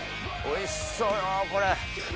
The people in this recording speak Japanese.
おいしそうよこれ。